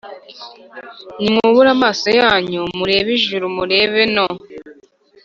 Nimwubure amaso yanyu murebe ijuru murebe no